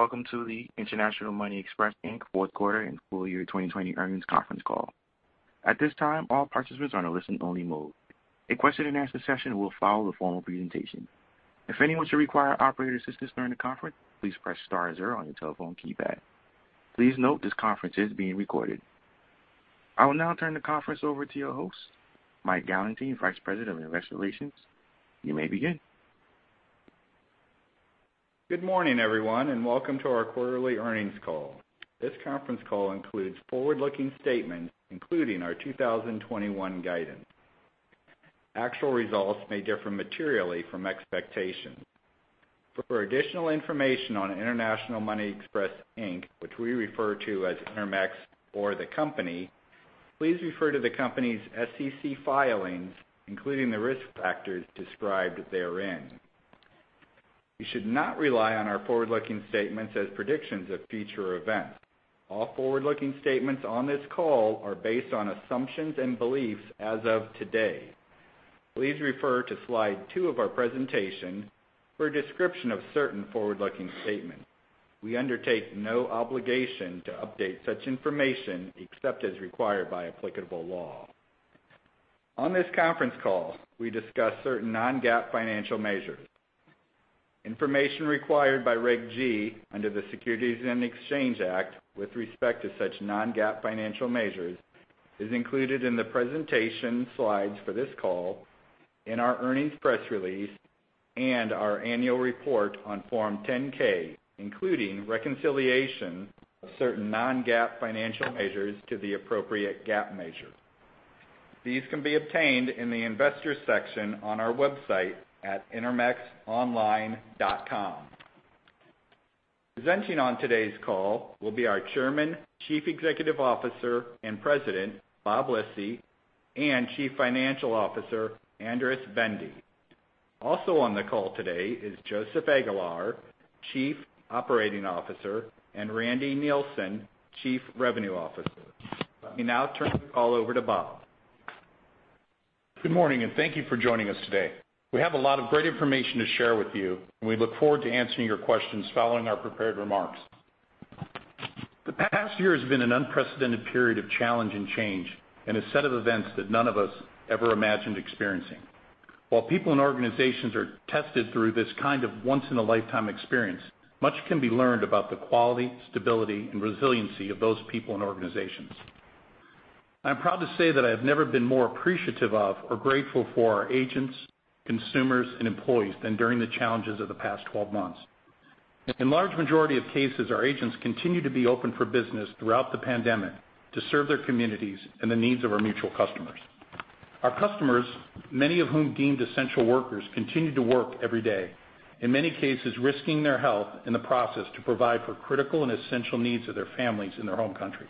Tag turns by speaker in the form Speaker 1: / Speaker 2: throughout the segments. Speaker 1: Greetings, and welcome to the International Money Express, Inc. fourth quarter and full-year 2020 earnings conference call. At this time, all participants are in a listen-only mode. A question-and-answer session will follow the formal presentation. If anyone should require operator assistance during the conference, please press star zero on your telephone keypad. Please note this conference is being recorded. I will now turn the conference over to your host, Mike Gallentine, Vice President of Investor Relations. You may begin.
Speaker 2: Good morning, everyone, welcome to our quarterly earnings call. This conference call includes forward-looking statements, including our 2021 guidance. Actual results may differ materially from expectations. For additional information on International Money Express, Inc., which we refer to as Intermex or the company, please refer to the company's SEC filings, including the risk factors described therein. You should not rely on our forward-looking statements as predictions of future events. All forward-looking statements on this call are based on assumptions and beliefs as of today. Please refer to slide two of our presentation for a description of certain forward-looking statements. We undertake no obligation to update such information, except as required by applicable law. On this conference call, we discuss certain non-GAAP financial measures. Information required by Reg G under the Securities and Exchange Act with respect to such non-GAAP financial measures is included in the presentation slides for this call, in our earnings press release, and our annual report on Form 10-K, including reconciliation of certain non-GAAP financial measures to the appropriate GAAP measure. These can be obtained in the Investors section on our website at intermexonline.com. Presenting on today's call will be our Chairman, Chief Executive Officer, and President, Bob Lisy, and Chief Financial Officer, Andras Bende. Also on the call today is Joseph Aguilar, Chief Operating Officer, and Randy Nilsen, Chief Revenue Officer. Let me now turn the call over to Bob.
Speaker 3: Good morning. Thank you for joining us today. We have a lot of great information to share with you, and we look forward to answering your questions following our prepared remarks. The past year has been an unprecedented period of challenge and change and a set of events that none of us ever imagined experiencing. While people and organizations are tested through this kind of once-in-a-lifetime experience, much can be learned about the quality, stability, and resiliency of those people and organizations. I'm proud to say that I have never been more appreciative of or grateful for our agents, consumers, and employees than during the challenges of the past 12 months. In large majority of cases, our agents continued to be open for business throughout the pandemic to serve their communities and the needs of our mutual customers. Our customers, many of whom deemed essential workers, continued to work every day, in many cases risking their health in the process to provide for critical and essential needs of their families in their home country.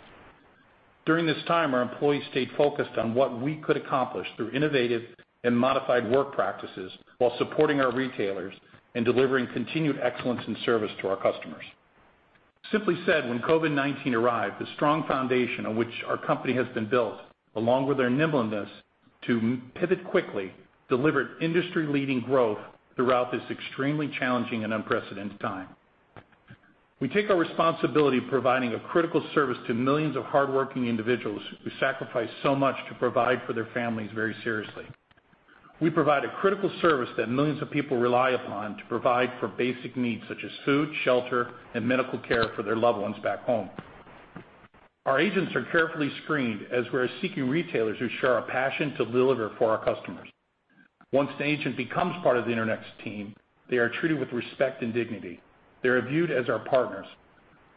Speaker 3: During this time, our employees stayed focused on what we could accomplish through innovative and modified work practices while supporting our retailers and delivering continued excellence in service to our customers. Simply said, when COVID-19 arrived, the strong foundation on which our company has been built, along with our nimbleness to pivot quickly, delivered industry-leading growth throughout this extremely challenging and unprecedented time. We take our responsibility of providing a critical service to millions of hardworking individuals who sacrifice so much to provide for their families very seriously. We provide a critical service that millions of people rely upon to provide for basic needs such as food, shelter, and medical care for their loved ones back home. Our agents are carefully screened as we're seeking retailers who share a passion to deliver for our customers. Once an agent becomes part of the Intermex team, they are treated with respect and dignity. They are viewed as our partners.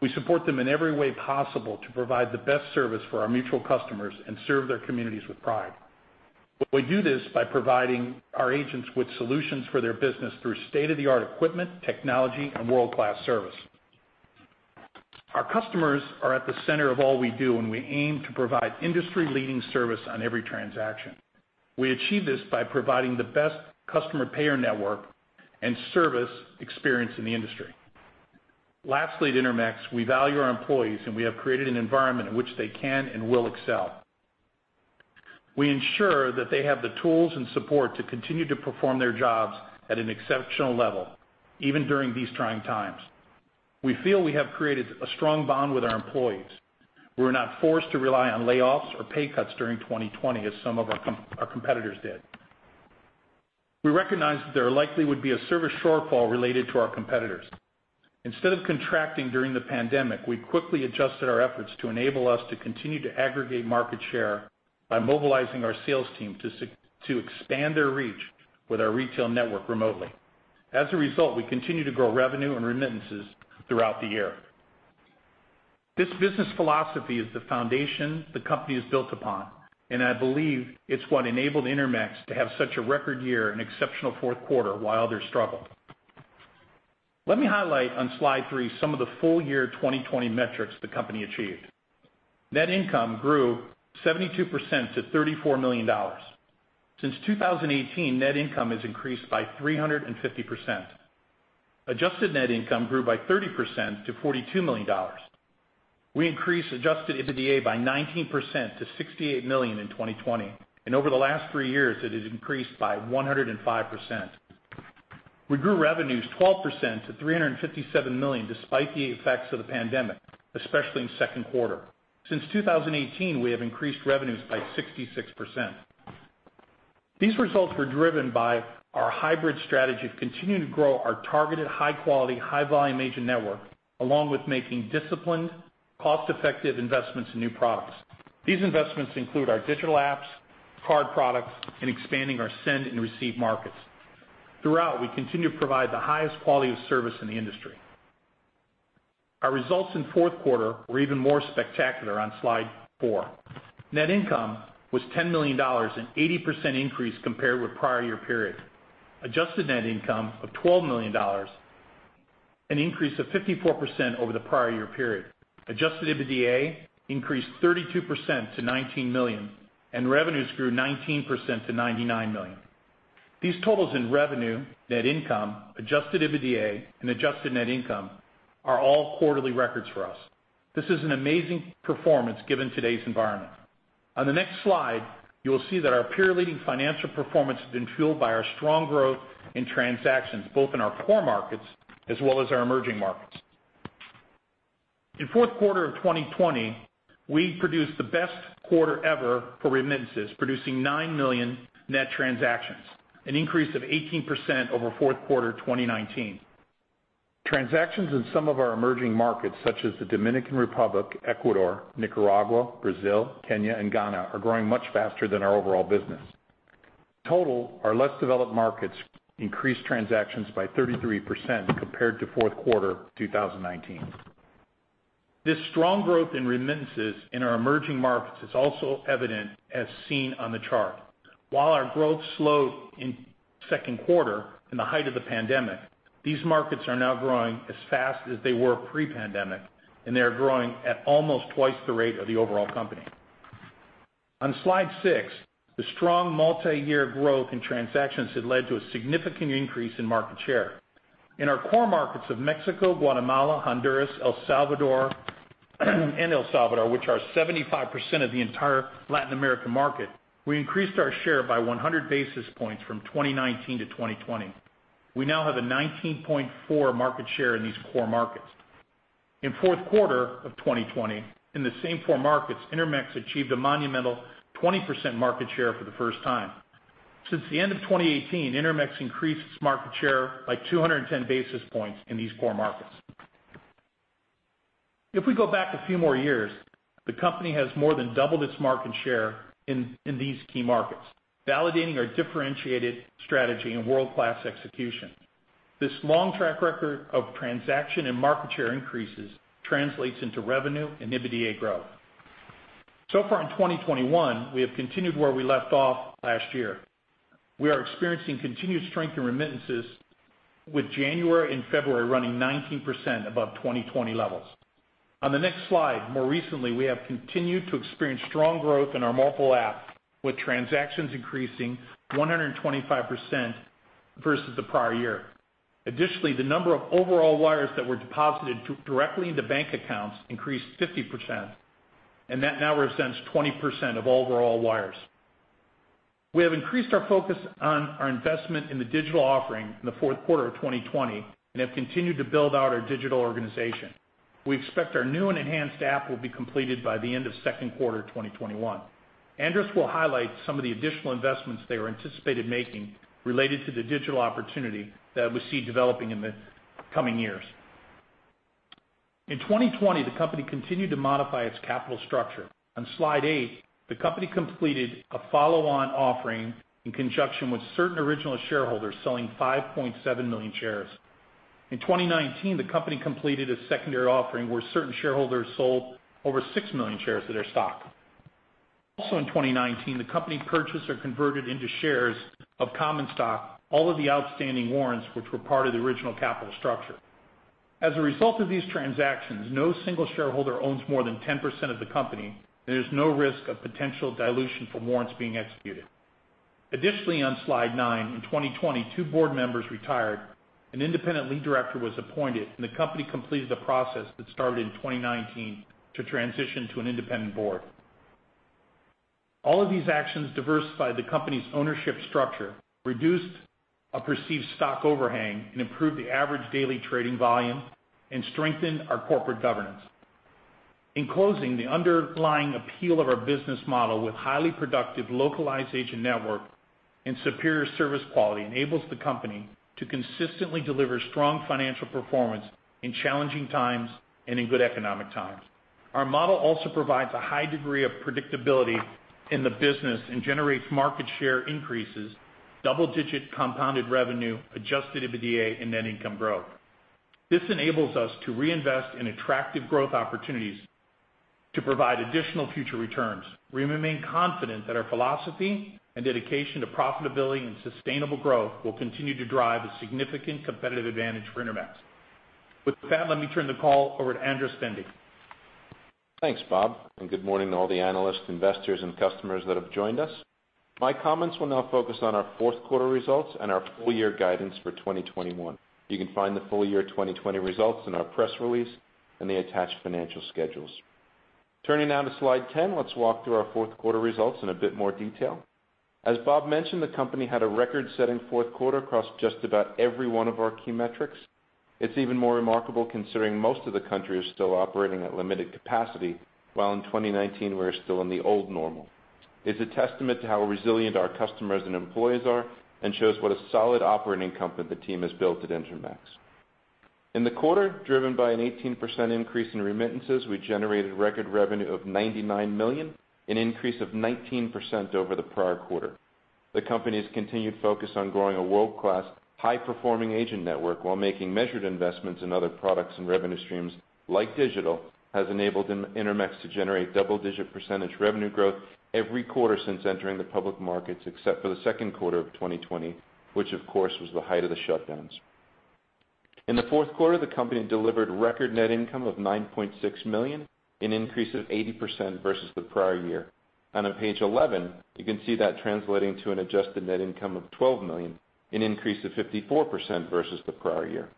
Speaker 3: We support them in every way possible to provide the best service for our mutual customers and serve their communities with pride. We do this by providing our agents with solutions for their business through state-of-the-art equipment, technology, and world-class service. Our customers are at the center of all we do, and we aim to provide industry-leading service on every transaction. We achieve this by providing the best customer payer network and service experience in the industry. Lastly at Intermex, we value our employees, and we have created an environment in which they can and will excel. We ensure that they have the tools and support to continue to perform their jobs at an exceptional level, even during these trying times. We feel we have created a strong bond with our employees. We were not forced to rely on layoffs or pay cuts during 2020 as some of our competitors did. We recognized that there likely would be a service shortfall related to our competitors. Instead of contracting during the pandemic, we quickly adjusted our efforts to enable us to continue to aggregate market share by mobilizing our sales team to expand their reach with our retail network remotely. As a result, we continued to grow revenue and remittances throughout the year. This business philosophy is the foundation the company is built upon, and I believe it's what enabled Intermex to have such a record year and exceptional fourth quarter while others struggled. Let me highlight on slide three some of the full-year 2020 metrics the company achieved. Net income grew 72% to $34 million. Since 2018, net income has increased by 350%. Adjusted net income grew by 30% to $42 million. We increased adjusted EBITDA by 19% to $68 million in 2020. Over the last three years, it has increased by 105%. We grew revenues 12% to $357 million, despite the effects of the pandemic, especially in second quarter. Since 2018, we have increased revenues by 66%. These results were driven by our hybrid strategy of continuing to grow our targeted high-quality, high-volume agent network, along with making disciplined, cost-effective investments in new products. These investments include our digital apps, card products, and expanding our send and receive markets. Throughout, we continue to provide the highest quality of service in the industry. Our results in fourth quarter were even more spectacular on slide four. Net income was $10 million, an 80% increase compared with prior year period. Adjusted net income of $12 million, an increase of 54% over the prior year period. Adjusted EBITDA increased 32% to $19 million, and revenues grew 19% to $99 million. These totals in revenue, net income, adjusted EBITDA, and adjusted net income are all quarterly records for us. This is an amazing performance given today's environment. On the next slide, you will see that our peer-leading financial performance has been fueled by our strong growth in transactions, both in our core markets as well as our emerging markets. In fourth quarter of 2020, we produced the best quarter ever for remittances, producing 9 million net transactions, an increase of 18% over fourth quarter 2019. Transactions in some of our emerging markets, such as the Dominican Republic, Ecuador, Nicaragua, Brazil, Kenya, and Ghana, are growing much faster than our overall business. In total, our less developed markets increased transactions by 33% compared to fourth quarter 2019. This strong growth in remittances in our emerging markets is also evident, as seen on the chart. While our growth slowed in second quarter in the height of the pandemic, these markets are now growing as fast as they were pre-pandemic, and they are growing at almost twice the rate of the overall company. On slide six, the strong multi-year growth in transactions had led to a significant increase in market share. In our core markets of Mexico, Guatemala, Honduras, and El Salvador, which are 75% of the entire Latin American market, we increased our share by 100 basis points from 2019 to 2020. We now have a 19.4 market share in these core markets. In fourth quarter of 2020, in the same four markets, Intermex achieved a monumental 20% market share for the first time. Since the end of 2018, Intermex increased its market share by 210 basis points in these core markets. If we go back a few more years, the company has more than doubled its market share in these key markets, validating our differentiated strategy and world-class execution. This long track record of transaction and market share increases translates into revenue and EBITDA growth. Far in 2021, we have continued where we left off last year. We are experiencing continued strength in remittances, with January and February running 19% above 2020 levels. On the next slide, more recently, we have continued to experience strong growth in our mobile app, with transactions increasing 125% versus the prior year. Additionally, the number of overall wires that were deposited directly into bank accounts increased 50%, and that now represents 20% of overall wires. We have increased our focus on our investment in the digital offering in the fourth quarter of 2020 and have continued to build out our digital organization. We expect our new and enhanced app will be completed by the end of second quarter 2021. Andras will highlight some of the additional investments that we're anticipated making related to the digital opportunity that we see developing in the coming years. In 2020, the company continued to modify its capital structure. On slide eight, the company completed a follow-on offering in conjunction with certain original shareholders selling 5.7 million shares. In 2019, the company completed a secondary offering where certain shareholders sold over 6 million shares of their stock. Also in 2019, the company purchased or converted into shares of common stock all of the outstanding warrants which were part of the original capital structure. As a result of these transactions, no single shareholder owns more than 10% of the company. There is no risk of potential dilution from warrants being executed. On slide nine, in 2020, two board members retired, an independent lead director was appointed, and the company completed the process that started in 2019 to transition to an independent board. All of these actions diversified the company's ownership structure, reduced a perceived stock overhang, and improved the average daily trading volume and strengthened our corporate governance. In closing, the underlying appeal of our business model with highly productive localized agent network and superior service quality enables the company to consistently deliver strong financial performance in challenging times and in good economic times. Our model also provides a high degree of predictability in the business and generates market share increases, double-digit compounded revenue, adjusted EBITDA, and net income growth. This enables us to reinvest in attractive growth opportunities to provide additional future returns. We remain confident that our philosophy and dedication to profitability and sustainable growth will continue to drive a significant competitive advantage for Intermex. With that, let me turn the call over to Andras Bende.
Speaker 4: Thanks, Bob. Good morning to all the analysts, investors, and customers that have joined us. My comments will now focus on our fourth quarter results and our full-year guidance for 2021. You can find the full-year 2020 results in our press release and the attached financial schedules. Turning now to slide 10, let's walk through our fourth quarter results in a bit more detail. As Bob mentioned, the company had a record-setting fourth quarter across just about every one of our key metrics. It's even more remarkable considering most of the country is still operating at limited capacity, while in 2019 we were still in the old normal. It's a testament to how resilient our customers and employees are and shows what a solid operating company the team has built at Intermex. In the quarter, driven by an 18% increase in remittances, we generated record revenue of $99 million, an increase of 19% over the prior quarter. The company's continued focus on growing a world-class, high-performing agent network while making measured investments in other products and revenue streams, like digital, has enabled Intermex to generate double-digit percentage revenue growth every quarter since entering the public markets, except for the second quarter of 2020, which of course, was the height of the shutdowns. In the fourth quarter, the company delivered record net income of $9.6 million, an increase of 80% versus the prior year. On page 11, you can see that translating to an adjusted net income of $12 million, an increase of 54% versus the prior year.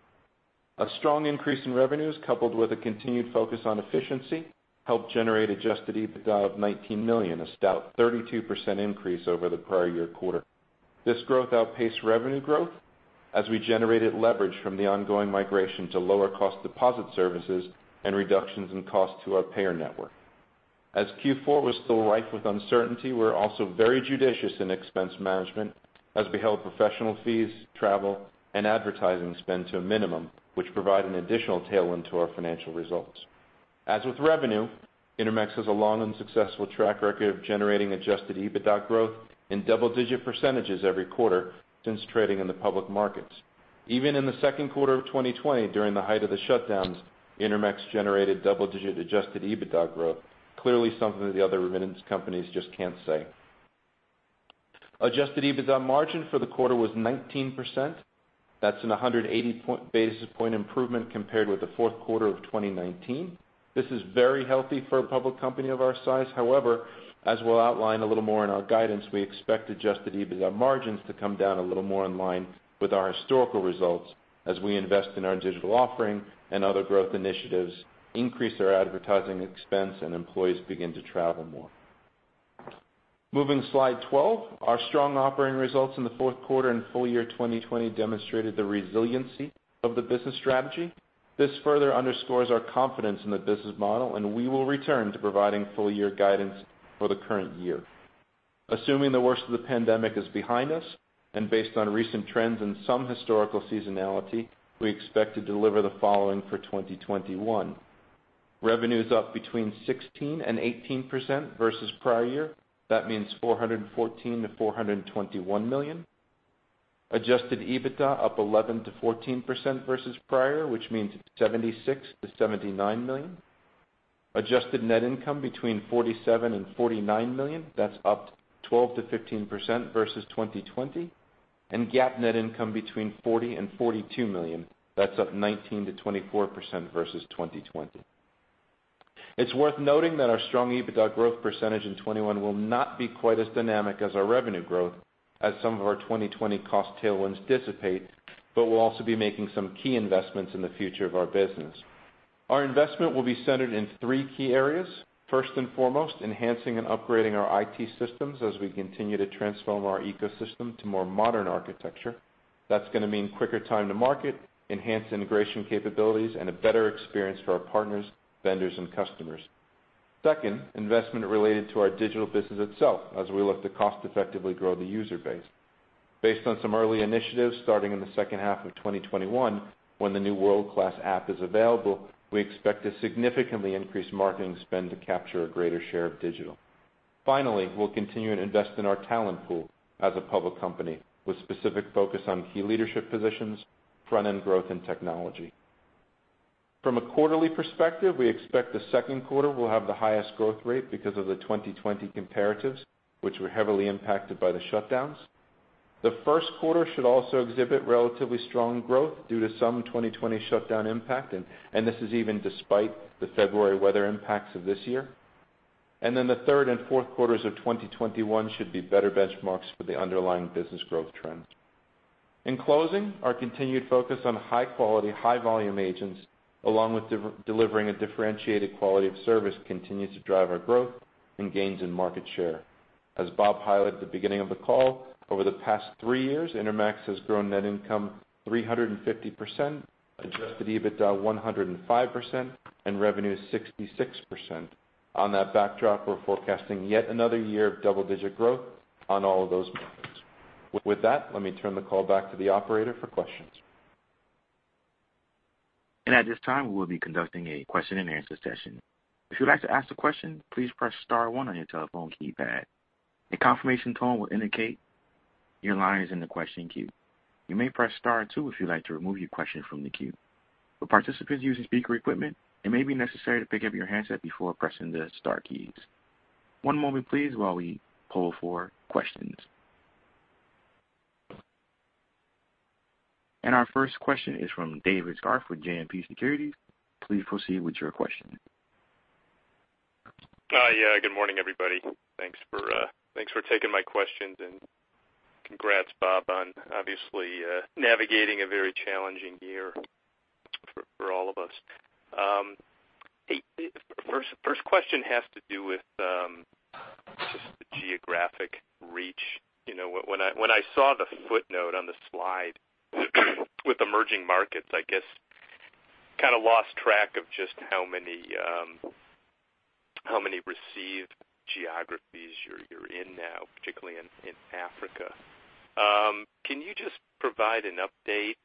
Speaker 4: A strong increase in revenues, coupled with a continued focus on efficiency, helped generate adjusted EBITDA of $19 million, a stout 32% increase over the prior year quarter. This growth outpaced revenue growth as we generated leverage from the ongoing migration to lower cost deposit services and reductions in cost to our payer network. As Q4 was still rife with uncertainty, we're also very judicious in expense management as we held professional fees, travel, and advertising spend to a minimum, which provide an additional tailwind to our financial results. As with revenue, Intermex has a long and successful track record of generating adjusted EBITDA growth in double-digit percentages every quarter since trading in the public markets. Even in the second quarter of 2020, during the height of the shutdowns, Intermex generated double-digit adjusted EBITDA growth. Clearly something that the other remittance companies just can't say. Adjusted EBITDA margin for the quarter was 19%. That's an 180 basis points improvement compared with the fourth quarter of 2019. This is very healthy for a public company of our size. As we'll outline a little more in our guidance, we expect adjusted EBITDA margins to come down a little more in line with our historical results as we invest in our digital offering and other growth initiatives, increase our advertising expense, and employees begin to travel more. Moving to slide 12, our strong operating results in the fourth quarter and full-year 2020 demonstrated the resiliency of the business strategy. This further underscores our confidence in the business model, and we will return to providing full-year guidance for the current year. Assuming the worst of the pandemic is behind us. Based on recent trends and some historical seasonality, we expect to deliver the following for 2021. Revenue's up between 16% and 18% versus prior year. That means $414 million-$421 million. Adjusted EBITDA up 11%-14% versus prior, which means $76 million-$79 million. Adjusted net income between $47 million and $49 million. That's up 12%-15% versus 2020. GAAP net income between $40 million and $42 million. That's up 19%-24% versus 2020. It's worth noting that our strong EBITDA growth percentage in 2021 will not be quite as dynamic as our revenue growth as some of our 2020 cost tailwinds dissipate, but we'll also be making some key investments in the future of our business. Our investment will be centered in three key areas. First and foremost, enhancing and upgrading our IT systems as we continue to transform our ecosystem to more modern architecture. That's going to mean quicker time to market, enhanced integration capabilities, and a better experience for our partners, vendors, and customers. Second, investment related to our digital business itself, as we look to cost effectively grow the user base. Based on some early initiatives, starting in the second half of 2021, when the new world-class app is available, we expect to significantly increase marketing spend to capture a greater share of digital. Finally, we'll continue to invest in our talent pool as a public company, with specific focus on key leadership positions, front-end growth, and technology. From a quarterly perspective, we expect the second quarter will have the highest growth rate because of the 2020 comparatives, which were heavily impacted by the shutdowns. The first quarter should also exhibit relatively strong growth due to some 2020 shutdown impact, and this is even despite the February weather impacts of this year. The third and fourth quarters of 2021 should be better benchmarks for the underlying business growth trends. In closing, our continued focus on high quality, high volume agents, along with delivering a differentiated quality of service, continues to drive our growth and gains in market share. As Bob highlighted at the beginning of the call, over the past three years, Intermex has grown net income 350%, adjusted EBITDA 105%, and revenue 66%. On that backdrop, we're forecasting yet another year of double-digit growth on all of those metrics. With that, let me turn the call back to the operator for questions.
Speaker 1: At this time we will be conducting a question-and-answer session, if you would like to ask a question please press star one on your telephone keypad. A confirmation tone will indicate your line is in the question queue. You may press star two if you wish to remove your question from the queue. For participants using speaker equipment, it might be necessary to pick up your handset before pressing the star key. One moment please while we pull up for questions. Our first question is from David Scharf with JMP Securities. Please proceed with your question.
Speaker 5: Hi. Good morning, everybody. Thanks for taking my questions, and congrats, Bob, on obviously navigating a very challenging year for all of us. First question has to do with just the geographic reach. When I saw the footnote on the slide with emerging markets, I guess I kind of lost track of just how many received geographies you're in now, particularly in Africa. Can you just provide an update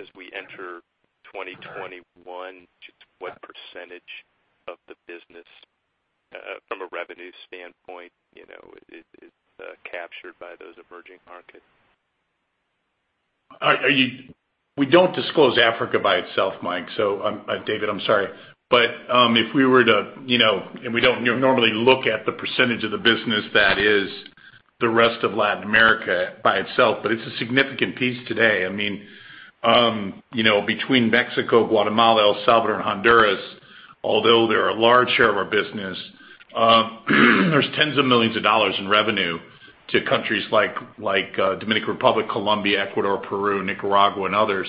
Speaker 5: as we enter 2021, just what percentage of the business, from a revenue standpoint, is captured by those emerging markets?
Speaker 3: We don't disclose Africa by itself, Mike. David, I'm sorry. We don't normally look at the percentage of the business that is the rest of Latin America by itself, but it's a significant piece today. Between Mexico, Guatemala, El Salvador, and Honduras, although they're a large share of our business, there's tens of millions of dollars in revenue to countries like Dominican Republic, Colombia, Ecuador, Peru, Nicaragua, and others.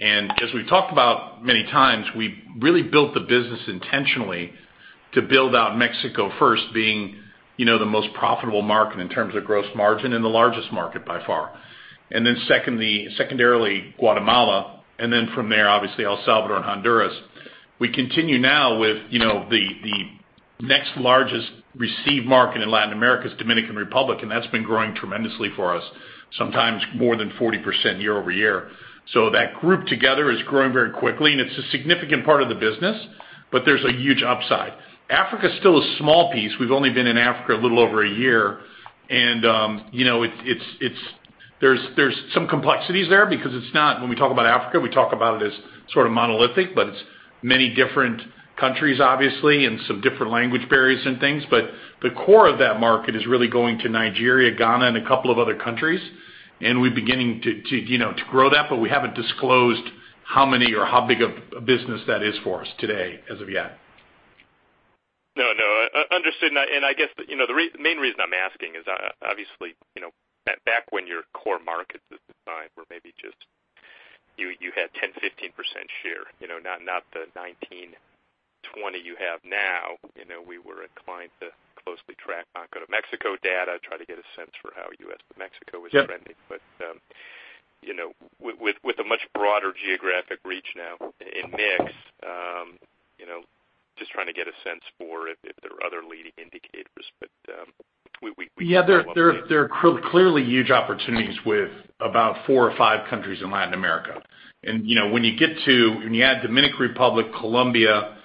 Speaker 3: As we've talked about many times, we really built the business intentionally to build out Mexico first, being the most profitable market in terms of gross margin, and the largest market by far. Then secondarily, Guatemala, and then from there, obviously, El Salvador and Honduras. We continue now with the next largest received market in Latin America is Dominican Republic, and that's been growing tremendously for us, sometimes more than 40% year-over-year. That group together is growing very quickly, and it's a significant part of the business, but there's a huge upside. Africa's still a small piece. We've only been in Africa a little over a year, and there's some complexities there because when we talk about Africa, we talk about it as sort of monolithic, but it's many different countries, obviously, and some different language barriers and things. The core of that market is really going to Nigeria, Ghana, and a couple of other countries. We're beginning to grow that, but we haven't disclosed how many or how big of a business that is for us today as of yet.
Speaker 5: No. Understood. I guess, the main reason I'm asking is, obviously, back when your core markets at the time were maybe just you had 10%, 15% share, not the 19%, 20% you have now, we were inclined to closely track Banco de México data, try to get a sense for how U.S. to Mexico was trending.
Speaker 3: Yep.
Speaker 5: With a much broader geographic reach now in Intermex, just trying to get a sense for if there are other leading indicators.
Speaker 3: There are clearly huge opportunities with about four or five countries in Latin America. When you add Dominican Republic, Colombia,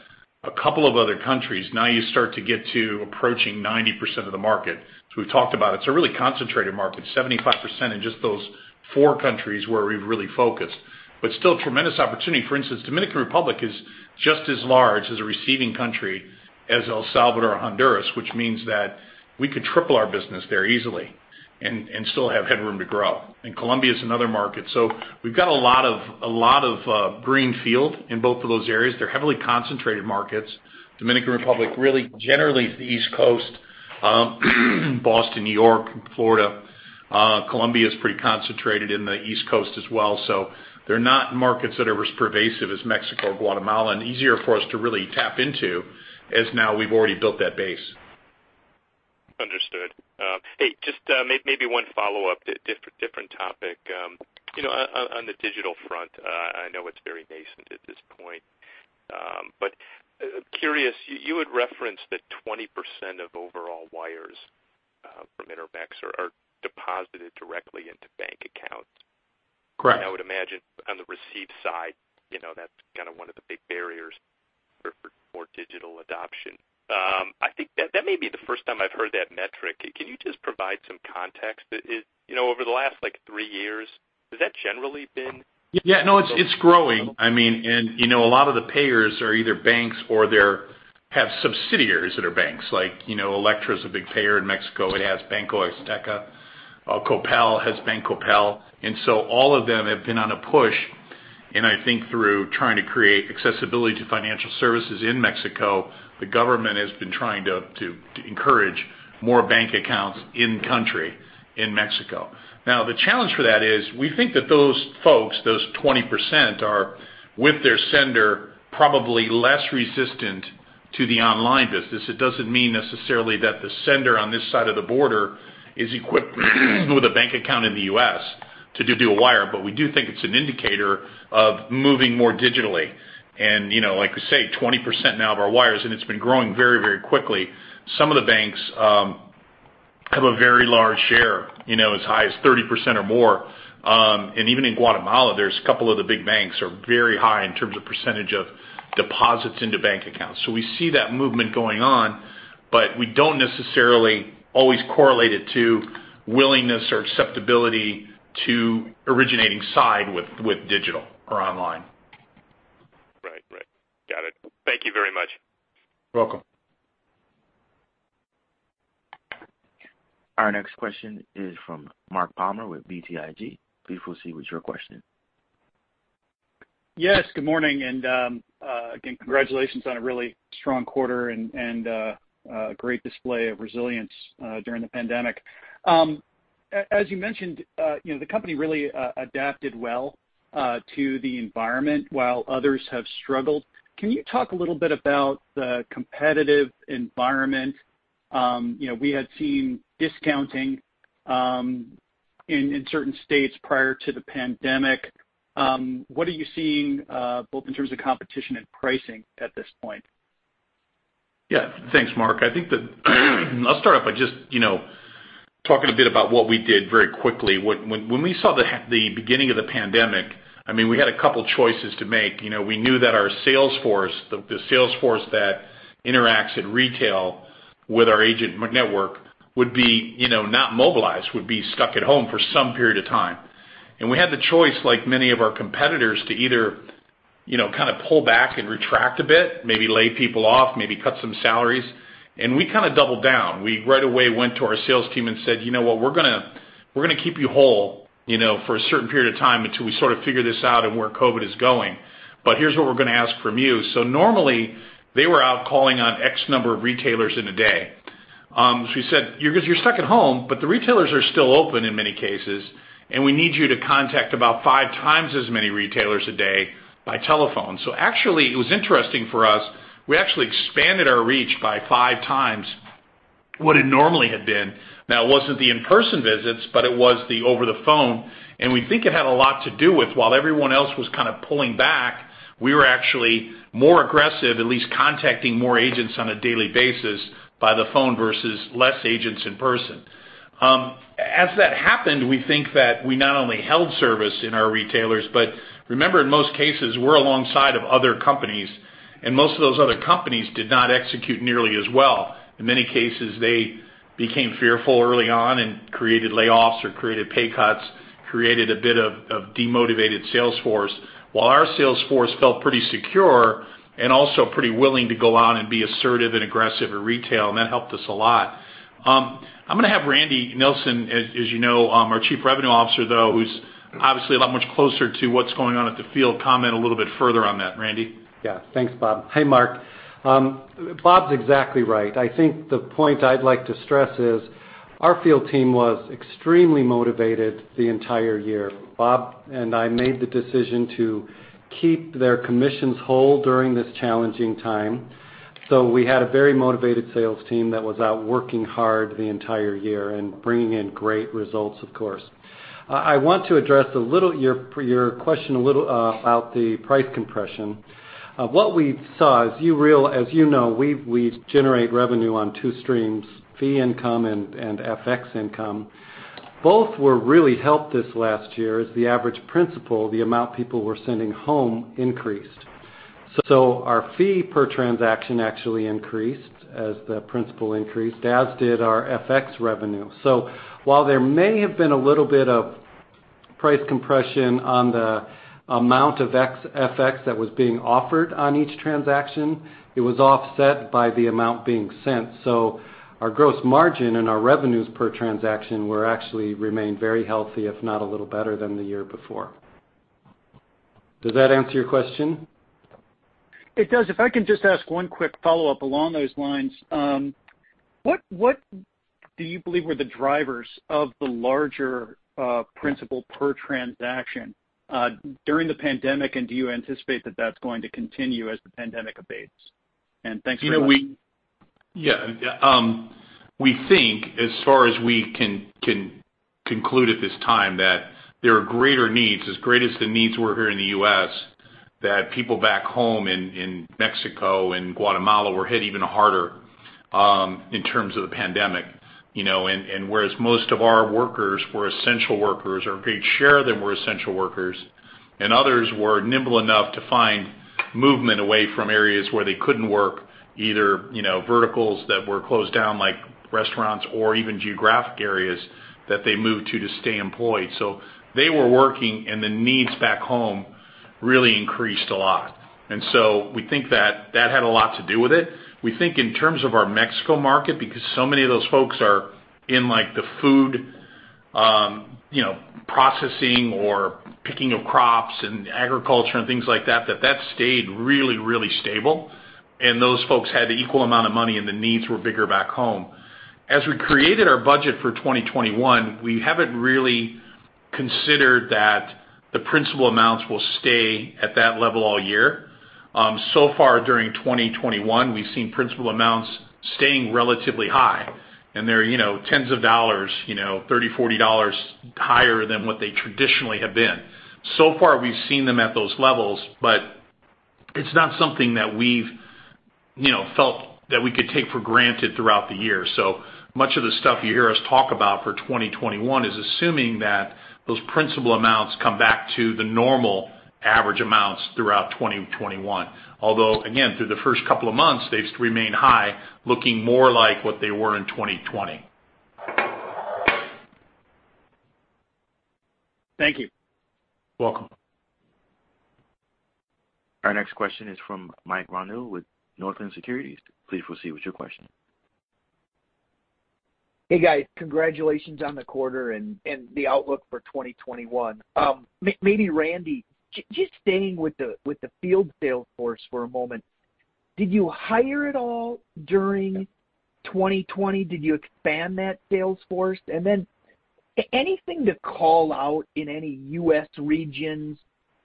Speaker 3: a couple of other countries, now you start to get to approaching 90% of the market. We've talked about it. It's a really concentrated market, 75% in just those four countries where we've really focused. Still a tremendous opportunity. For instance, Dominican Republic is just as large as a receiving country as El Salvador or Honduras, which means that we could triple our business there easily and still have headroom to grow. Colombia is another market. We've got a lot of greenfield in both of those areas. They're heavily concentrated markets. Dominican Republic, really generally the East Coast, Boston, New York, and Florida. Colombia is pretty concentrated in the East Coast as well. They're not markets that are as pervasive as Mexico or Guatemala, and easier for us to really tap into as now we've already built that base.
Speaker 5: Understood. Hey, just maybe one follow-up, different topic. On the digital front, I know it's very nascent at this point. Curious, you had referenced that 20% of overall wires from Intermex are deposited directly into bank accounts.
Speaker 3: Correct.
Speaker 5: I would imagine on the receive side, that's kind of one of the big barriers for more digital adoption. I think that may be the first time I've heard that metric. Can you just provide some context? Over the last three years, has that generally been-
Speaker 3: Yeah. No, it's growing. A lot of the payers are either banks or they have subsidiaries that are banks. Like Elektra is a big payer in Mexico. It has Banco Azteca. Coppel has BanCoppel. All of them have been on a push, and I think through trying to create accessibility to financial services in Mexico, the government has been trying to encourage more bank accounts in country, in Mexico. Now, the challenge for that is, we think that those folks, those 20%, are, with their sender, probably less resistant to the online business. It doesn't mean necessarily that the sender on this side of the border is equipped with a bank account in the U.S. to do a wire, but we do think it's an indicator of moving more digitally. Like I say, 20% now of our wires, and it's been growing very, very quickly. Some of the banks have a very large share, as high as 30% or more. Even in Guatemala, there's a couple of the big banks are very high in terms of percentage of deposits into bank accounts. We see that movement going on, but we don't necessarily always correlate it to willingness or acceptability to originating side with digital or online.
Speaker 5: Right, right got it, thank you very much.
Speaker 3: You're welcome.
Speaker 1: Our next question is from Mark Palmer with BTIG. Please proceed with your question.
Speaker 6: Yes, good morning, again, congratulations on a really strong quarter and a great display of resilience during the pandemic. As you mentioned, the company really adapted well to the environment while others have struggled. Can you talk a little bit about the competitive environment? We had seen discounting in certain states prior to the pandemic. What are you seeing both in terms of competition and pricing at this point?
Speaker 3: Yeah. Thanks, Mark. I'll start off by just talking a bit about what we did very quickly. When we saw the beginning of the pandemic, we had a couple choices to make. We knew that our sales force, the sales force that interacts at retail with our agent network would be not mobilized, would be stuck at home for some period of time. We had the choice, like many of our competitors, to either kind of pull back and retract a bit, maybe lay people off, maybe cut some salaries, and we kind of doubled down. We right away went to our sales team and said, "You know what? We're going to keep you whole for a certain period of time until we sort of figure this out and where COVID is going, but here's what we're going to ask from you." Normally, they were out calling on X number of retailers in a day. We said, "You're stuck at home, but the retailers are still open in many cases, and we need you to contact about five times as many retailers a day by telephone." Actually, it was interesting for us. We actually expanded our reach by five times what it normally had been. It wasn't the in-person visits, but it was the over-the-phone, and we think it had a lot to do with while everyone else was kind of pulling back, we were actually more aggressive, at least contacting more agents on a daily basis by the phone versus less agents in person. As that happened, we think that we not only held service in our retailers, but remember, in most cases, we're alongside of other companies, and most of those other companies did not execute nearly as well. In many cases, they became fearful early on and created layoffs or created pay cuts, created a bit of demotivated sales force while our sales force felt pretty secure and also pretty willing to go out and be assertive and aggressive at retail, and that helped us a lot. I'm going to have Randy Nilsen, as you know our Chief Revenue Officer, though, who's obviously a lot much closer to what's going on at the field, comment a little bit further on that. Randy?
Speaker 7: Yeah. Thanks, Bob. Hey, Mark. Bob's exactly right. I think the point I'd like to stress is our field team was extremely motivated the entire year. Bob and I made the decision to keep their commissions whole during this challenging time. We had a very motivated sales team that was out working hard the entire year and bringing in great results, of course. I want to address your question a little about the price compression. What we saw, as you know, we generate revenue on two streams, fee income and FX income. Both were really helped this last year as the average principal, the amount people were sending home increased. Our fee per transaction actually increased as the principal increased, as did our FX revenue. While there may have been a little bit of price compression on the amount of FX that was being offered on each transaction, it was offset by the amount being sent. Our gross margin and our revenues per transaction actually remained very healthy, if not a little better than the year before. Does that answer your question?
Speaker 6: It does. If I can just ask one quick follow-up along those lines. What do you believe were the drivers of the larger principal per transaction during the pandemic, and do you anticipate that that's going to continue as the pandemic abates? Thanks very much.
Speaker 3: We think as far as we can conclude at this time that there are greater needs, as great as the needs were here in the U.S., that people back home in Mexico and Guatemala were hit even harder in terms of the pandemic. Whereas most of our workers were essential workers, or a great share of them were essential workers, and others were nimble enough to find movement away from areas where they couldn't work, either verticals that were closed down, like restaurants or even geographic areas that they moved to to stay employed. They were working, and the needs back home really increased a lot. We think that that had a lot to do with it. We think in terms of our Mexico market, because so many of those folks are in the food processing or picking of crops and agriculture and things like that stayed really, really stable, and those folks had the equal amount of money, and the needs were bigger back home. As we created our budget for 2021, we haven't really considered that the principal amounts will stay at that level all year. Far during 2021, we've seen principal amounts staying relatively high, and they're tens of dollars, $30, $40 higher than what they traditionally have been. Far, we've seen them at those levels, but it's not something that we've felt that we could take for granted throughout the year. Much of the stuff you hear us talk about for 2021 is assuming that those principal amounts come back to the normal average amounts throughout 2021. Although, again, through the first couple of months, they've remained high, looking more like what they were in 2020.
Speaker 6: Thank you.
Speaker 3: Welcome.
Speaker 1: Our next question is from Mike Grondahl with Northland Securities. Please proceed with your question.
Speaker 8: Hey guys. Congratulations on the quarter and the outlook for 2021. Maybe Randy, just staying with the field sales force for a moment, did you hire at all during 2020? Did you expand that sales force? Anything to call out in any U.S. regions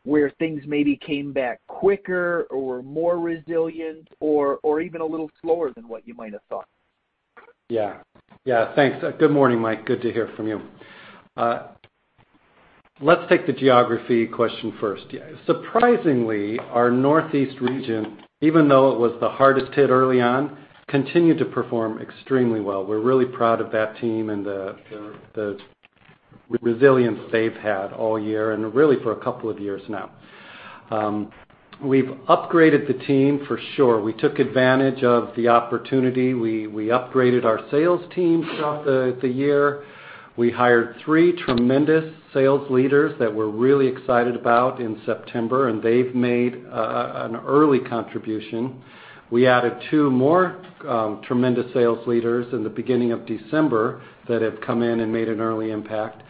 Speaker 8: where things maybe came back quicker or were more resilient or even a little slower than what you might have thought?
Speaker 7: Thanks. Good morning, Mike. Good to hear from you. Let's take the geography question first. Surprisingly, our Northeast region, even though it was the hardest hit early on, continued to perform extremely well. We're really proud of that team and the resilience they've had all year and really for a couple of years now. We've upgraded the team for sure. We took advantage of the opportunity. We upgraded our sales team throughout the year. We hired three tremendous sales leaders that we're really excited about in September, and they've made an early contribution. We added two more tremendous sales leaders in the beginning of December that have come in and made an early impact.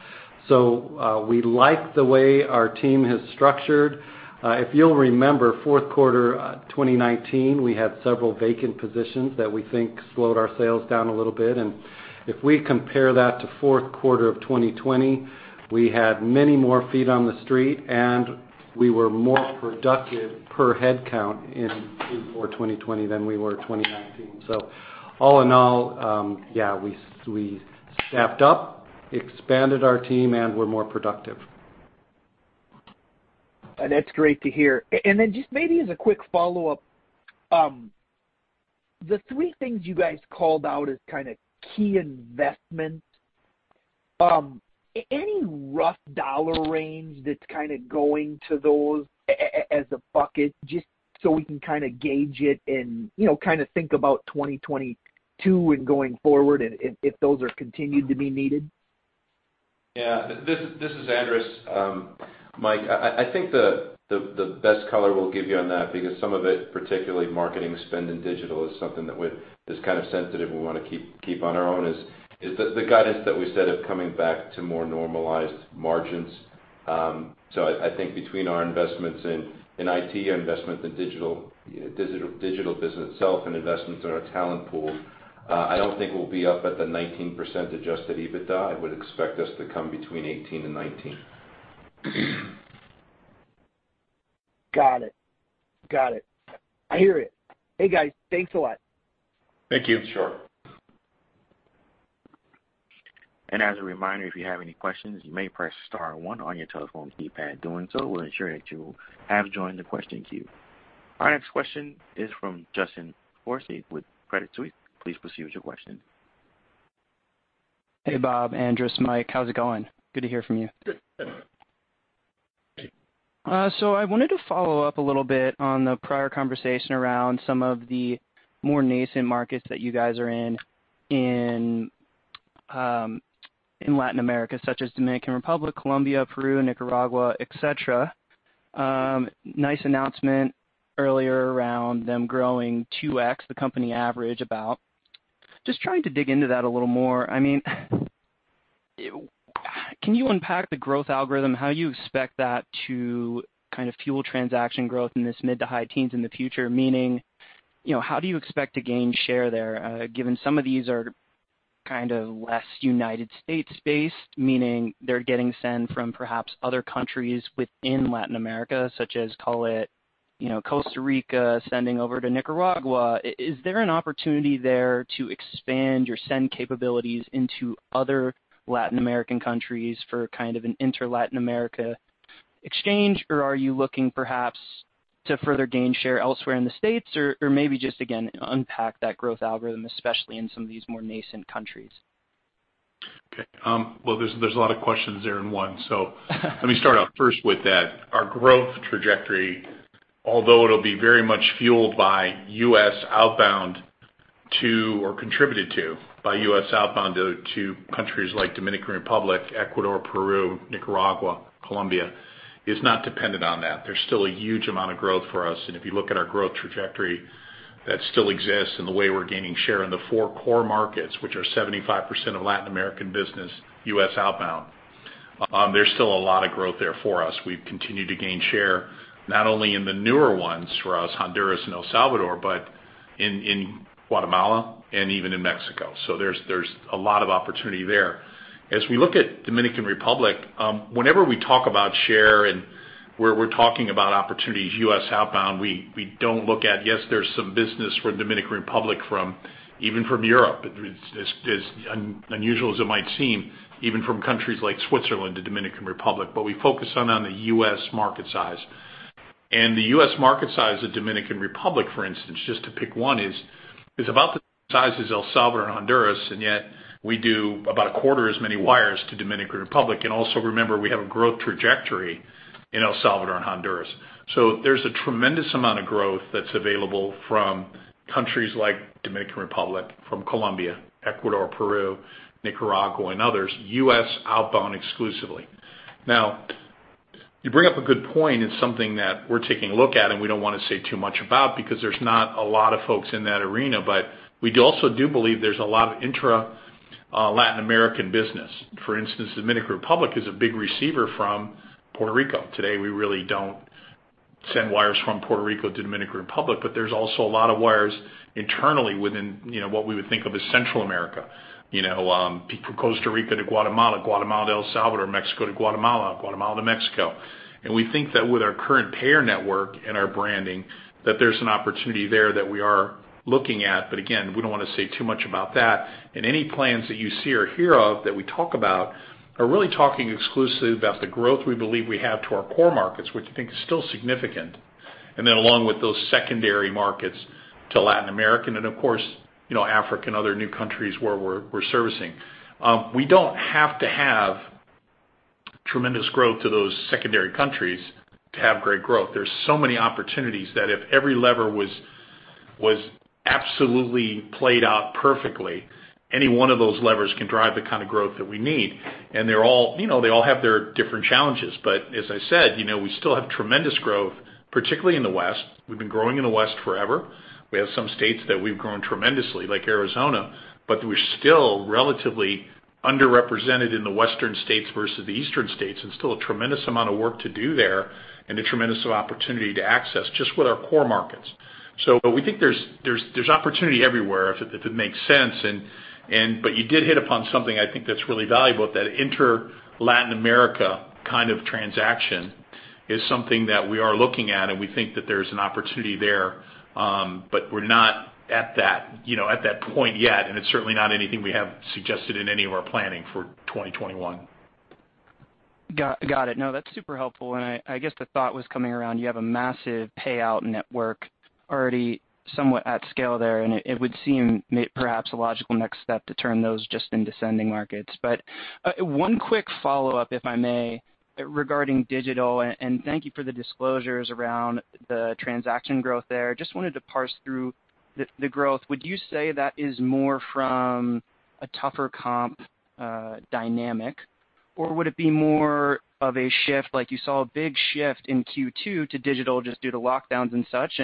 Speaker 7: We like the way our team has structured. If you'll remember, fourth quarter 2019, we had several vacant positions that we think slowed our sales down a little bit. If we compare that to fourth quarter of 2020, we had many more feet on the street, and we were more productive per head count in Q4 2020 than we were 2019. All in all, yeah, we stepped up, expanded our team, and we're more productive.
Speaker 8: That's great to hear. Just maybe as a quick follow-up, the three things you guys called out as kind of key investments, any rough dollar range that's kind of going to those as a bucket, just so we can gauge it and think about 2022 and going forward, and if those are continued to be needed?
Speaker 4: Yeah. This is Andras. Mike, I think the best color we'll give you on that, because some of it, particularly marketing spend and digital, is something that is kind of sensitive and we want to keep on our own is the guidance that we set of coming back to more normalized margins. I think between our investments in IT, investment in digital business itself, and investments in our talent pool, I don't think we'll be up at the 19% adjusted EBITDA. I would expect us to come between 18% and 19%.
Speaker 8: Got it. I hear it. Hey guys, thanks a lot.
Speaker 3: Thank you.
Speaker 4: Sure.
Speaker 1: As a reminder, if you have any questions, you may press star one on your telephone keypad. Doing so will ensure that you have joined the question queue. Our next question is from Justin Forsythe with Credit Suisse. Please proceed with your question.
Speaker 9: Hey Bob, Andras, Mike. How's it going? Good to hear from you.
Speaker 3: Good.
Speaker 9: I wanted to follow up a little bit on the prior conversation around some of the more nascent markets that you guys are in in Latin America, such as Dominican Republic, Colombia, Peru, Nicaragua, et cetera. Nice announcement earlier around them growing 2X the company average. Just trying to dig into that a little more. Can you unpack the growth algorithm, how you expect that to kind of fuel transaction growth in this mid to high teens in the future? Meaning, how do you expect to gain share there given some of these are kind of less U.S. based, meaning they're getting send from perhaps other countries within Latin America, such as call it Costa Rica sending over to Nicaragua? Is there an opportunity there to expand your send capabilities into other Latin American countries for kind of an inter-Latin America exchange, or are you looking perhaps to further gain share elsewhere in the States, or maybe just again, unpack that growth algorithm, especially in some of these more nascent countries?
Speaker 3: Okay. Well, there's a lot of questions there in one. Let me start off first with that our growth trajectory, although it'll be very much fueled by U.S. outbound to, or contributed to by U.S. outbound to countries like Dominican Republic, Ecuador, Peru, Nicaragua, Colombia, is not dependent on that. There's still a huge amount of growth for us, and if you look at our growth trajectory, that still exists in the way we're gaining share in the four core markets, which are 75% of Latin American business U.S. outbound. There's still a lot of growth there for us. We've continued to gain share not only in the newer ones for us, Honduras and El Salvador, but in Guatemala and even in Mexico. There's a lot of opportunity there. As we look at Dominican Republic, whenever we talk about share and we're talking about opportunities U.S. outbound, we don't look at, yes, there's some business for Dominican Republic from even from Europe, as unusual as it might seem, even from countries like Switzerland to Dominican Republic, but we focus on the U.S. market size. The U.S. market size of Dominican Republic, for instance, just to pick one, is about the size as El Salvador and Honduras, yet we do about a quarter as many wires to Dominican Republic. Also remember, we have a growth trajectory In El Salvador and Honduras. There's a tremendous amount of growth that's available from countries like Dominican Republic, from Colombia, Ecuador, Peru, Nicaragua, and others, U.S. outbound exclusively. You bring up a good point in something that we're taking a look at, and we don't want to say too much about because there's not a lot of folks in that arena. We also do believe there's a lot of intra-Latin American business. For instance, Dominican Republic is a big receiver from Puerto Rico. Today, we really don't send wires from Puerto Rico to Dominican Republic, but there's also a lot of wires internally within what we would think of as Central America. People from Costa Rica to Guatemala to El Salvador, Mexico to Guatemala to Mexico. We think that with our current payer network and our branding, there's an opportunity there that we are looking at. Again, we don't want to say too much about that. Any plans that you see or hear of that we talk about are really talking exclusively about the growth we believe we have to our core markets, which I think is still significant. Then along with those secondary markets to Latin America and, of course, Africa, and other new countries where we're servicing. We don't have to have tremendous growth to those secondary countries to have great growth. There's so many opportunities that if every lever was absolutely played out perfectly, any one of those levers can drive the kind of growth that we need. They all have their different challenges. As I said, we still have tremendous growth, particularly in the West. We've been growing in the West forever. We have some states that we've grown tremendously, like Arizona, but we're still relatively underrepresented in the Western states versus the Eastern states, and still a tremendous amount of work to do there and a tremendous opportunity to access just with our core markets. We think there's opportunity everywhere, if it makes sense. You did hit upon something I think that's really valuable, that inter-Latin America kind of transaction is something that we are looking at, and we think that there's an opportunity there. We're not at that point yet, and it's certainly not anything we have suggested in any of our planning for 2021.
Speaker 9: Got it. No, that's super helpful. I guess the thought was coming around, you have a massive payout network already somewhat at scale there, and it would seem perhaps a logical next step to turn those just into sending markets. One quick follow-up, if I may, regarding digital, and thank you for the disclosures around the transaction growth there. Just wanted to parse through the growth. Would you say that is more from a tougher comp dynamic, or would it be more of a shift like you saw a big shift in Q2 to digital just due to lockdowns and such?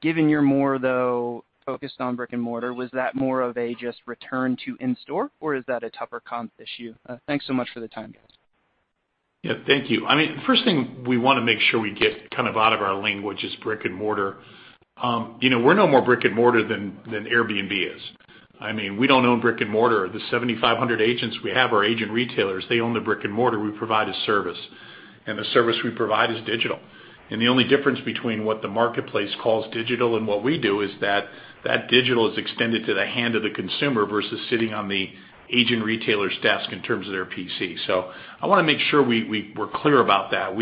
Speaker 9: Given you're more, though, focused on brick and mortar, was that more of a just return to in-store, or is that a tougher comp issue? Thanks so much for the time, guys.
Speaker 3: Thank you. First thing we want to make sure we get out of our language is brick and mortar. We're no more brick and mortar than Airbnb is. We don't own brick and mortar. The 7,500 agents we have are agent retailers. They own the brick and mortar. We provide a service. The service we provide is digital. The only difference between what the marketplace calls digital and what we do is that that digital is extended to the hand of the consumer versus sitting on the agent retailer's desk in terms of their PC. I want to make sure we're clear about that.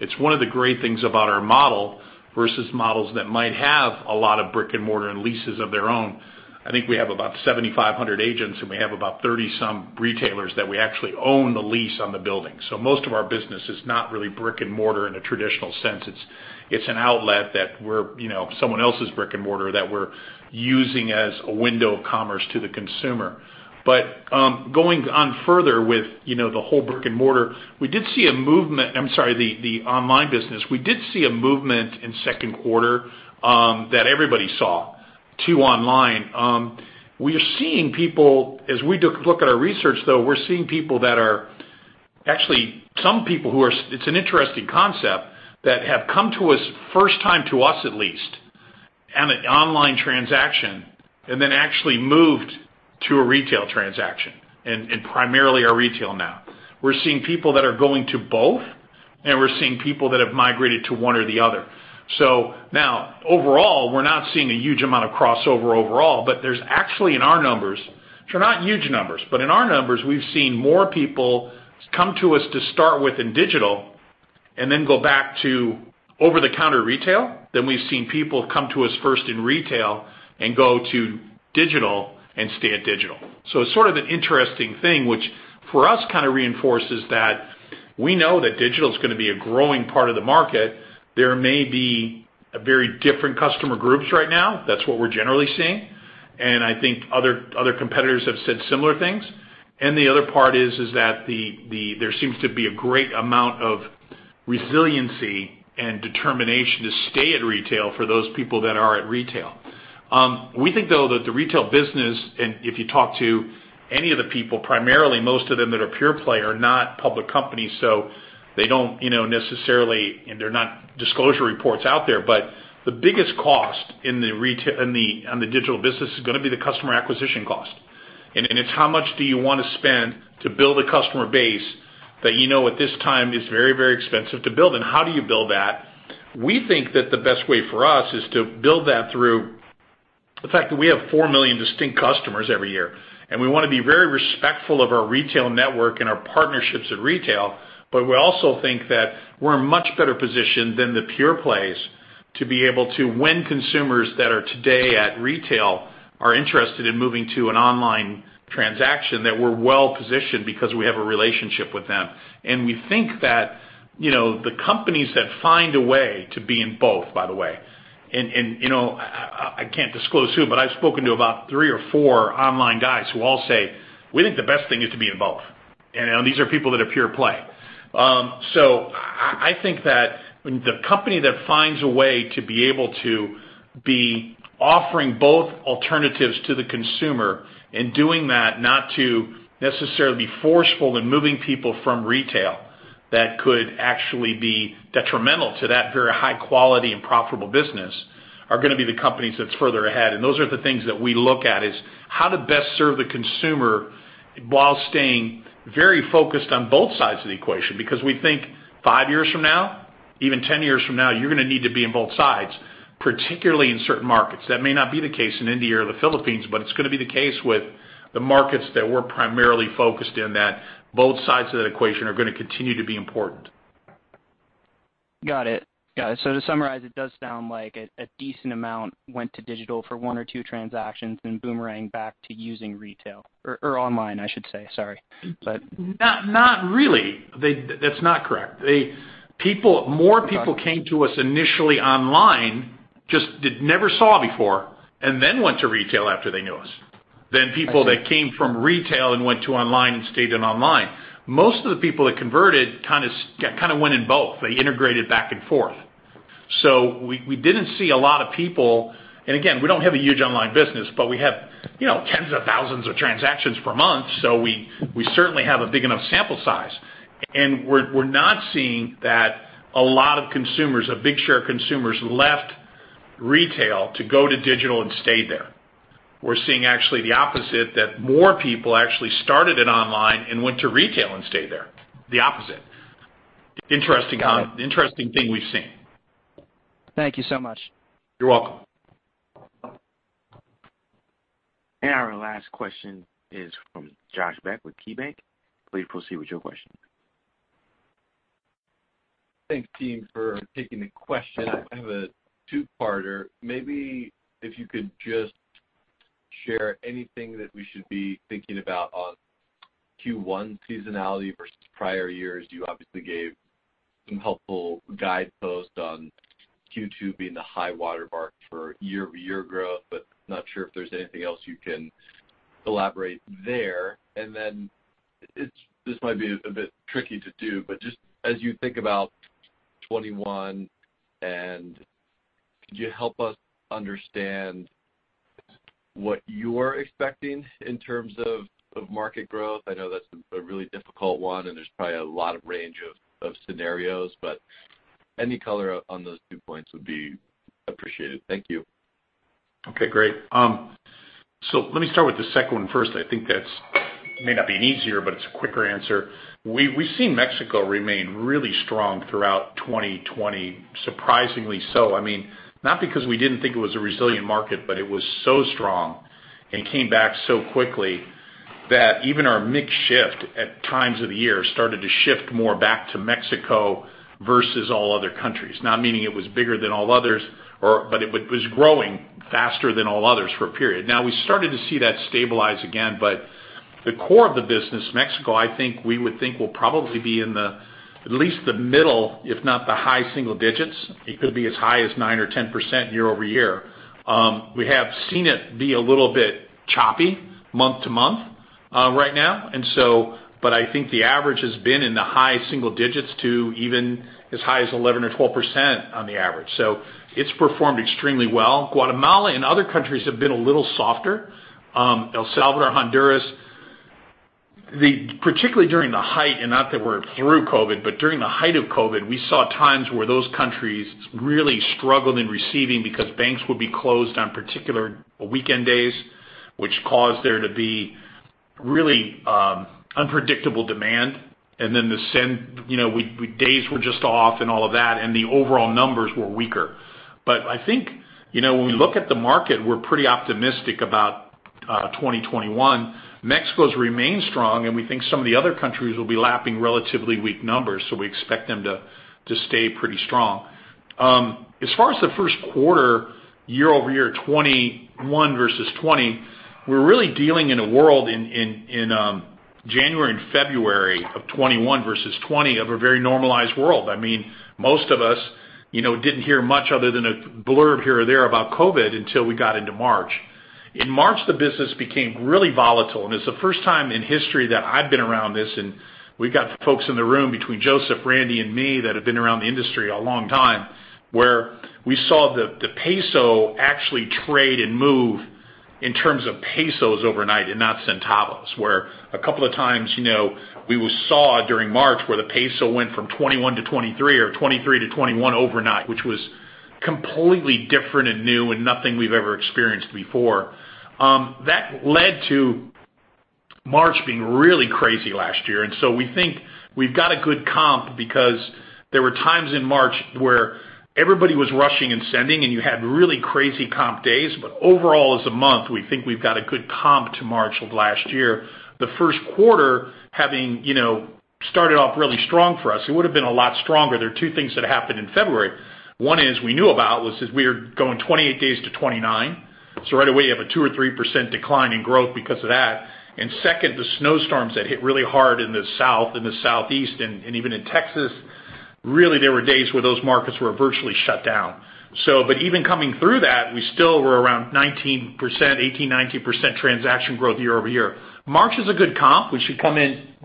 Speaker 3: It's one of the great things about our model versus models that might have a lot of brick and mortar and leases of their own. I think we have about 7,500 agents, and we have about 30 some retailers that we actually own the lease on the building. Most of our business is not really brick and mortar in a traditional sense. It's an outlet that someone else's brick and mortar that we're using as a window of commerce to the consumer. Going on further with the whole brick and mortar, I'm sorry, the online business. We did see a movement in second quarter that everybody saw to online. We are seeing people, as we look at our research, though, we're seeing people that are actually it's an interesting concept that have come to us, first time to us at least, on an online transaction, and then actually moved to a retail transaction and primarily are retail now. We're seeing people that are going to both, and we're seeing people that have migrated to one or the other. Overall, we're not seeing a huge amount of crossover overall, but there's actually in our numbers, sure, not huge numbers, but in our numbers, we've seen more people come to us to start with in digital and then go back to over-the-counter retail than we've seen people come to us first in retail and go to digital and stay at digital. It's sort of an interesting thing, which for us kind of reinforces that we know that digital is going to be a growing part of the market. There may be a very different customer groups right now. That's what we're generally seeing, and I think other competitors have said similar things. The other part is that there seems to be a great amount of resiliency and determination to stay at retail for those people that are at retail. We think, though, that the retail business, and if you talk to any of the people, primarily most of them that are pure play are not public companies, so they don't necessarily, and there are not disclosure reports out there. The biggest cost on the digital business is going to be the customer acquisition cost. It's how much do you want to spend to build a customer base that you know at this time is very, very expensive to build, and how do you build that? We think that the best way for us is to build that through the fact that we have 4 million distinct customers every year, and we want to be very respectful of our retail network and our partnerships at retail. We also think that we're in much better position than the pure plays to be able to win consumers that are today at retail, are interested in moving to an online transaction, that we're well-positioned because we have a relationship with them. We think that, the companies that find a way to be in both, by the way, I can't disclose who, but I've spoken to about three or four online guys who all say, "We think the best thing is to be in both." These are people that are pure play. I think that when the company that finds a way to be able to be offering both alternatives to the consumer and doing that, not to necessarily be forceful in moving people from retail, that could actually be detrimental to that very high quality and profitable business, are going to be the companies that's further ahead. Those are the things that we look at, is how to best serve the consumer while staying very focused on both sides of the equation. We think five years from now, even 10 years from now, you're going to need to be in both sides, particularly in certain markets. That may not be the case in India or the Philippines, but it's going to be the case with the markets that we're primarily focused in, that both sides of that equation are going to continue to be important.
Speaker 9: Got it. To summarize, it does sound like a decent amount went to digital for one or two transactions, then boomeranged back to using retail or online, I should say. Sorry.
Speaker 3: Not really. That's not correct.
Speaker 9: Okay
Speaker 3: came to us initially online, just never saw before, and then went to retail after they knew us.
Speaker 9: I see.
Speaker 3: than people that came from retail and went to online and stayed in online. Most of the people that converted went in both. They integrated back and forth. We didn't see a lot of people, and again, we don't have a huge online business, but we have tens of thousands of transactions per month, so we certainly have a big enough sample size. We're not seeing that a lot of consumers, a big share of consumers, left retail to go to digital and stay there. We're seeing actually the opposite, that more people actually started it online and went to retail and stayed there. The opposite. Interesting thing we've seen.
Speaker 9: Thank you so much.
Speaker 3: You're welcome.
Speaker 1: Our last question is from Josh Beck with KeyBank. Please proceed with your question.
Speaker 10: Thanks team for taking the question. I have a two-parter. Maybe if you could just share anything that we should be thinking about on Q1 seasonality versus prior years. You obviously gave some helpful guideposts on Q2 being the high-water mark for year-over-year growth, but not sure if there's anything else you can elaborate there. This might be a bit tricky to do, but just as you think about 2021, and could you help us understand what you're expecting in terms of market growth? I know that's a really difficult one, and there's probably a lot of range of scenarios, but any color on those two points would be appreciated. Thank you.
Speaker 3: Okay, great. Let me start with the second one first. I think that may not be easier, but it's a quicker answer. We've seen Mexico remain really strong throughout 2020. Surprisingly so. Not because we didn't think it was a resilient market, but it was so strong and came back so quickly that even our mix shift at times of the year started to shift more back to Mexico versus all other countries. Not meaning it was bigger than all others, but it was growing faster than all others for a period. We started to see that stabilize again. The core of the business, Mexico, I think we would think will probably be in the at least the middle, if not the high single digits. It could be as high as 9% or 10% year-over-year. We have seen it be a little bit choppy month-to-month right now. I think the average has been in the high single digits to even as high as 11 or 12% on the average. It's performed extremely well. Guatemala and other countries have been a little softer. El Salvador, Honduras, particularly during the height, and not that we're through COVID, but during the height of COVID, we saw times where those countries really struggled in receiving because banks would be closed on particular weekend days, which caused there to be really unpredictable demand. The send days were just off and all of that, and the overall numbers were weaker. I think, when we look at the market, we're pretty optimistic about 2021. Mexico's remained strong, and we think some of the other countries will be lapping relatively weak numbers. We expect them to stay pretty strong. As far as the first quarter, year-over-year 2021 versus 2020, we're really dealing in a world in January and February of 2021 versus 2020 of a very normalized world. Most of us didn't hear much other than a blurb here or there about COVID until we got into March. In March, the business became really volatile, and it's the first time in history that I've been around this, and we've got folks in the room between Joseph, Randy, and me that have been around the industry a long time, where we saw the peso actually trade and move in terms of pesos overnight and not centavos. Where a couple of times, we saw during March where the peso went from 21 to 23 or 23 to 21 overnight, which was completely different and new and nothing we've ever experienced before. That led to March being really crazy last year. We think we've got a good comp because there were times in March where everybody was rushing and sending, and you had really crazy comp days. Overall, as a month, we think we've got a good comp to March of last year. The first quarter started off really strong for us. It would've been a lot stronger. There are two things that happened in February. One is, we knew about, we are going 28 days to 29. Right away you have a 2% or 3% decline in growth because of that. Second, the snowstorms that hit really hard in the South, in the Southeast, and even in Texas, really, there were days where those markets were virtually shut down. Even coming through that, we still were around 18%, 19% transaction growth year-over-year. March is a good comp. Too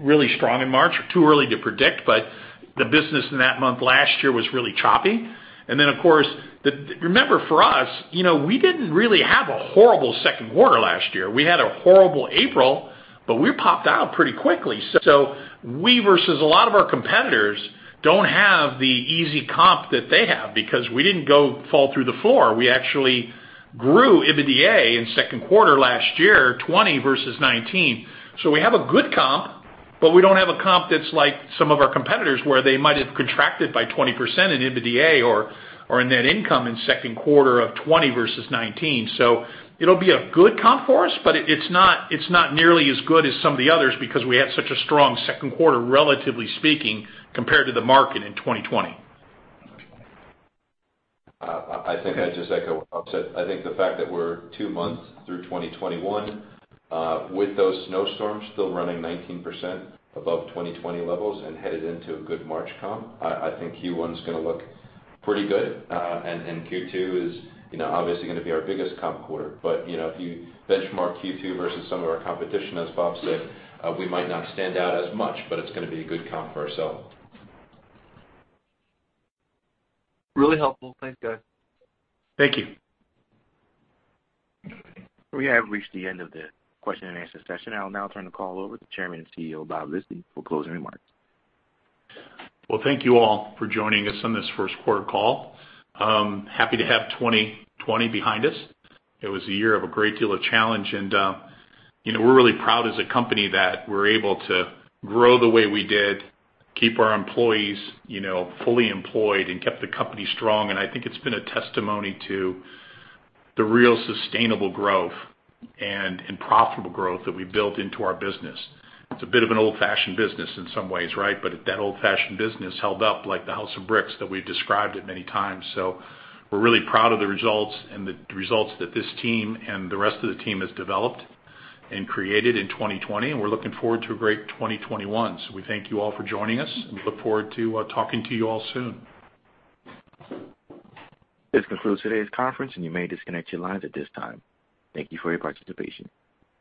Speaker 3: early to predict, the business in that month last year was really choppy. Of course, remember, for us, we didn't really have a horrible second quarter last year. We had a horrible April, but we popped out pretty quickly. We, versus a lot of our competitors, don't have the easy comp that they have because we didn't go fall through the floor. We actually grew EBITDA in second quarter last year, 2020 versus 2019. We have a good comp, but we don't have a comp that's like some of our competitors, where they might have contracted by 20% in EBITDA or in net income in second quarter of 2020 versus 2019. It'll be a good comp for us, but it's not nearly as good as some of the others because we had such a strong second quarter, relatively speaking, compared to the market in 2020.
Speaker 4: I think I'd just echo what Bob said. I think the fact that we're two months through 2021, with those snowstorms still running 19% above 2020 levels and headed into a good March comp, I think Q1's going to look pretty good. Q2 is obviously going to be our biggest comp quarter. If you benchmark Q2 versus some of our competition, as Bob said, we might not stand out as much, but it's going to be a good comp for ourselves.
Speaker 10: Really helpful. Thanks, guys.
Speaker 3: Thank you.
Speaker 1: We have reached the end of the question and answer session. I will now turn the call over to Chairman and CEO, Bob Lisy, for closing remarks.
Speaker 3: Well, thank you all for joining us on this fourt quarter call. Happy to have 2020 behind us. It was a year of a great deal of challenge, and we're really proud as a company that we're able to grow the way we did, keep our employees fully employed, and kept the company strong. I think it's been a testimony to the real sustainable growth and profitable growth that we've built into our business. It's a bit of an old-fashioned business in some ways. That old-fashioned business held up like the house of bricks that we've described it many times. We're really proud of the results and the results that this team and the rest of the team has developed and created in 2020, and we're looking forward to a great 2021. We thank you all for joining us, and we look forward to talking to you all soon.
Speaker 1: This concludes today's conference, and you may disconnect your lines at this time. Thank you for your participation.